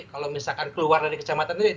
kalau misalkan keluar dari kecamatan itu